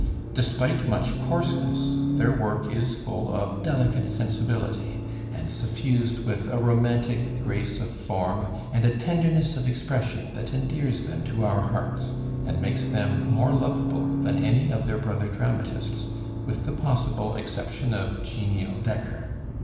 Despite much coarseness, their work is full of delicate sensibility, and suffused with a romantic grace of form and a tenderness of expression that endears them to our hearts, and makes them more lovable than any of their brother dramatists, with the possible exception of genial Dekker.